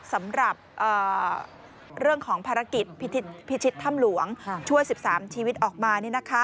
สำหรับเรื่องของภารกิจพิชิตถ้ำหลวงช่วย๑๓ชีวิตออกมา